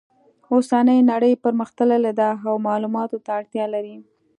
اوسنۍ نړۍ پرمختللې ده او معلوماتو ته اړتیا لري